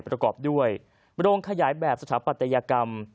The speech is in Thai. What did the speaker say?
ประกอบด้วยโรงขยายแบบสถาปัตยกรรม